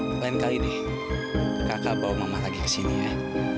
lain kali deh kakak bawa mama lagi ke sini ya